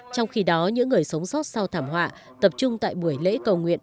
trong khi đó những người sống sót sau thảm họa tập trung tại buổi lễ cầu nguyện